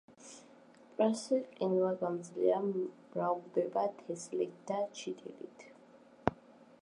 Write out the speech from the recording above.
პრასი ყინვაგამძლეა, მრავლდება თესლით და ჩითილით.